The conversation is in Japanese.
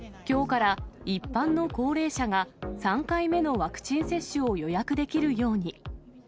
きょうから一般の高齢者が、３回目のワクチン接種を予約できるように。